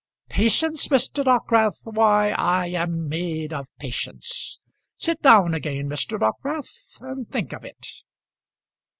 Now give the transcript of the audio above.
"Patience, Mr. Dockwrath! Why I am made of patience. Sit down again, Mr. Dockwrath, and think of it."